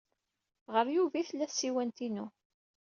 Ɣer Yuba ay tella tsiwant-inu.